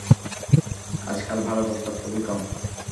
আজকাল ভাল প্রস্তাব খুবই কম।